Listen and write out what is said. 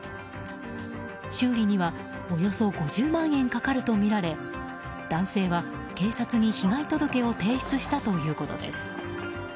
修理にはおよそ５０万円かかるとみられ男性は警察に被害届を提出したということです。